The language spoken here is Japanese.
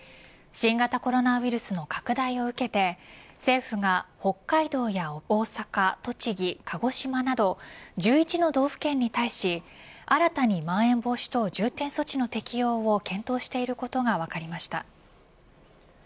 新型コロナウイルスの拡大を受けて政府が北海道や大阪、栃木鹿児島など、１１の道府県に対し新たに、まん延防止等重点措置の適用を検討していることが分かりました。